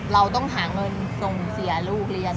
เราต้องหาเงินส่งเสียลูกเรียน